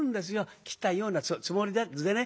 切ったようなつもりでね。